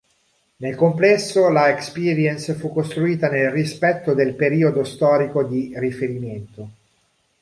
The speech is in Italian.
Nel complesso la Experience fu costruita nel rispetto del periodo storico di riferimento.